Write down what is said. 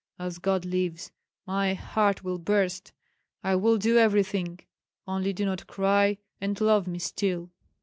As God lives, my heart will burst! I will do everything; only do not cry, and love me still."